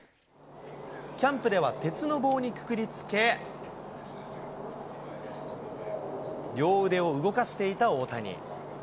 キャンプでは鉄の棒にくくりつけ、両腕を動かしていた大谷。